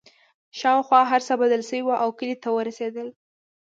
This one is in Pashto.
شاوخوا هرڅه بدل شوي وو او کلي ته ورسېدل